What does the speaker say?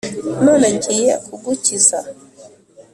none ngiye kugukiza,